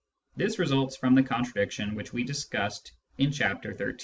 This results from the contradiction which we discussed in Chapter XIII.